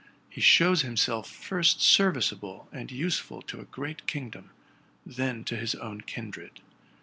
He shows himself first serviceable and useful to a great kingdom, then to bis own kindred.